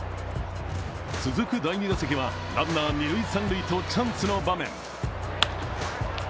続く第２打席はランナー二塁、三塁とチャンスの場面。